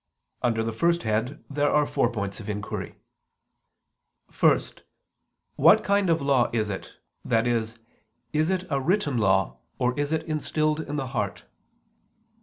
Under the first head there are four points of inquiry: (1) What kind of law is it? i.e. Is it a written law or is it instilled in the heart?